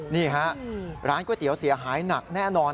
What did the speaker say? นี่ฮะร้านก๋วยเตี๋ยวเสียหายหนักแน่นอน